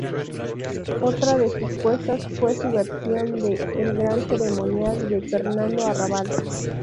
Otra de sus puestas fue su versión de "El Gran ceremonial" de Fernando Arrabal.